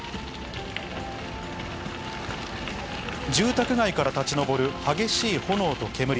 住宅街から立ち上る激しい炎と煙。